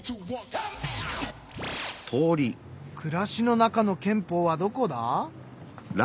暮らしの中の憲法はどこだ？